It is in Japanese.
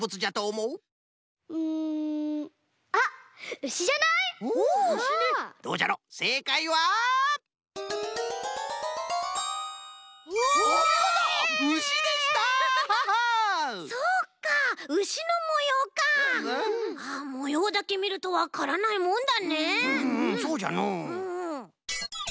うんうんそうじゃのう。